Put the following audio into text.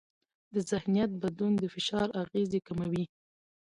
ذهنیت بدلون د فشار اغېزې کموي.